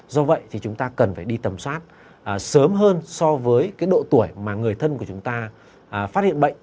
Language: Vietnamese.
do vậy thì chúng ta cần phải đi tầm soát sớm hơn so với cái độ tuổi mà người thân của chúng ta phát hiện bệnh